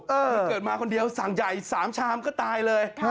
เกิดมาคนเดียวสั่งใหญ่๓ชามก็ตายเลย